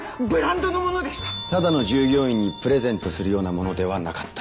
ただの従業員にプレゼントするようなものではなかった？